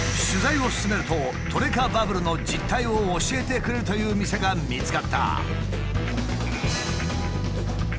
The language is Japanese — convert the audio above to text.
取材を進めるとトレカバブルの実態を教えてくれるという店が見つかった。